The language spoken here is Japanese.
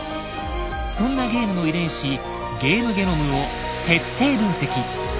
そんなゲームの遺伝子「ゲームゲノム」を徹底分析。